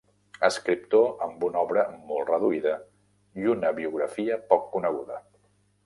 Escriptor amb una obra molt reduïda i una biografia poc coneguda.